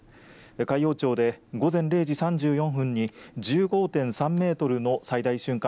海陽町で午前０時３４分に１５．３メートルの最大瞬間